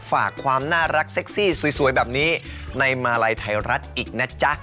ฝากความน่ารักเซ็กซี่สวยแบบนี้ในมาลัยไทยรัฐอีกนะจ๊ะ